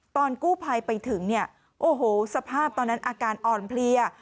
ตอนกู้ภัยไปถึงเนี่ยโอ้โหสภาพตอนนั้นอาการอ่อนเพลีย